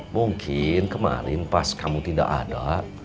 mungkin kemarin pas kamu tidak ada